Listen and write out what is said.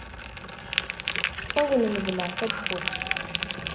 Ad awen-medleɣ tawwurt.